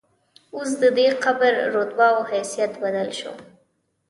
اوس ددې قبر رتبه او حیثیت بدل شو.